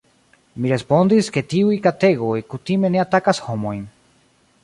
Mi respondis, ke tiuj kategoj kutime ne atakas homojn.